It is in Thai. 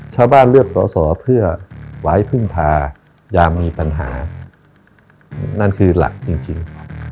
ชาวบ้านเลือกสอสอเพื่อไว้พึ่งพาอย่ามีปัญหานั่นคือหลักจริง